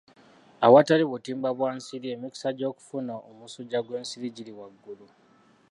Awatali butimba bwa nsiri emikisa gy'okufuna omusujja gw'ensiri giri waggulu.